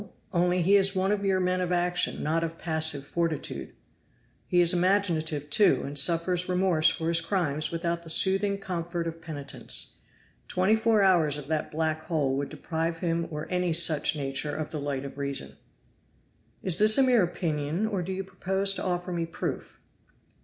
only he is one of your men of action, not of passive fortitude. He is imaginative, too, and suffers remorse for his crimes without the soothing comfort of penitence. Twenty four hours of that black hole would deprive him or any such nature of the light of reason." "Is this a mere opinion or do you propose to offer me proof?"